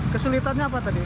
kesulitannya apa tadi